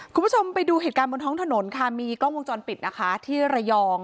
คุณผู้ชมไปดูเหตุการณ์บนท้องถนนค่ะมีกล้องวงจรปิดนะคะที่ระยอง